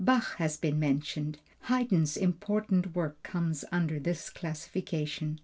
Bach has been mentioned. Haydn's important work comes under this classification.